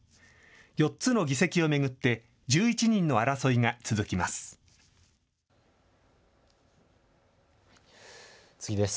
４つの議席を巡って１１人の争いが続きます。